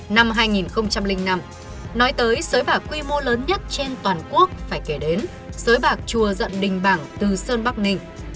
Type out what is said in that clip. năm hai nghìn năm nói tới sới bạc quy mô lớn nhất trên toàn quốc phải kể đến sới bạc chùa dận đình bảng từ sơn bắc ninh